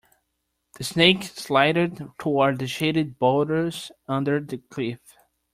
The snake slithered toward the shaded boulders under the cliff.